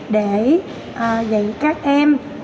để dạy các em